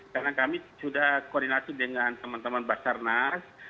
karena kami sudah koordinasi dengan teman teman basarnas